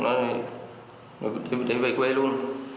rồi đến về quê luôn